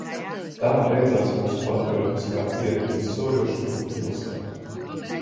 Tā beidzās mūsu patriotiskā ierindas soļošana pa pilsētu.